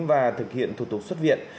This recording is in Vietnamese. và thực hiện thủ tục xuất viện